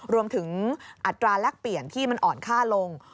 อัตราแลกเปลี่ยนที่มันอ่อนค่าลง